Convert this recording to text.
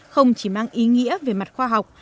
không chỉ mang ý nghĩa về mặt khoa học